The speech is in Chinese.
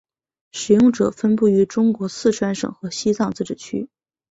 使用者分布于中国四川省和西藏自治区。